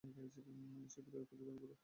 শীঘ্রই খুঁজে বের করবো।